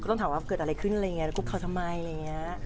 ว่าเกิดอะไรขึ้นอะไรอย่างเงี้ยกรุ๊บเขาทำไมอะไรอย่างเงี้ย